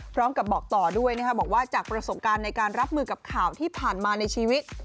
พร้อมกับบอกต่อด้วยบอกว่าจากประสบการณ์ในการรับมือกับข่าวที่ผ่านมาในชีวิต